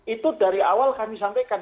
itu dari awal kami sampaikan